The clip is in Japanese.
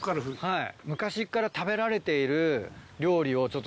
はい。